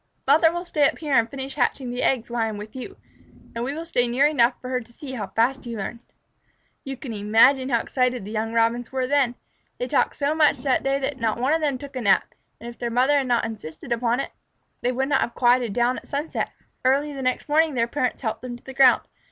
Mother will stay up here and finish hatching the eggs while I am with you, and we will stay near enough for her to see how fast you learn." You can imagine how excited the young Robins were then. They talked so much that day that not one of them took a nap, and if their mother had not insisted upon it, they would not have quieted down at sunset. Early the next morning their parents helped them to the ground.